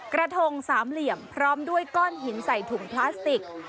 กระทงสามเหลี่ยมพร้อมด้วยก้อนหินใส่ถุงพลาสติก